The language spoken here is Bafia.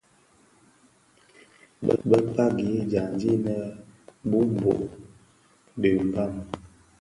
Bi kpagi dyandi innë boumbot dhi Mbam.